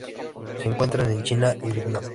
Se encuentran en China y Vietnam.